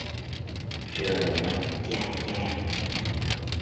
Rời nắng chang chang